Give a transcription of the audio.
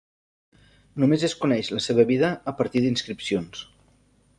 Només es coneix la seva vida a partir d'inscripcions.